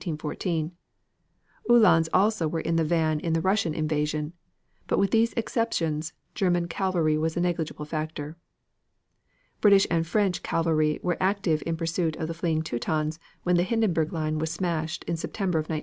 The Uhlans also were in the van in the Russian invasion, but with these exceptions, German cavalry was a negligible factor. British and French cavalry were active in pursuit of the fleeing Teutons when the Hindenburg line was smashed in September of 1918.